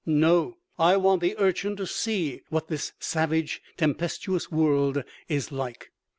No! I want the Urchin to see what this savage, tempestuous world is like.